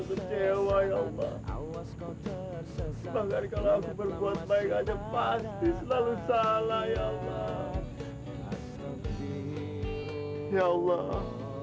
kecewa ya allah bangga kalau aku berbuat baik aja pasti selalu salah ya allah ya allah